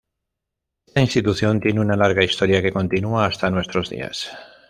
Esta institución tiene una larga historia que continúa hasta nuestros días.